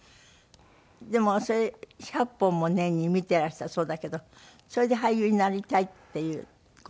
でも１００本も年に見てらしたそうだけどそれで俳優になりたいっていう事は？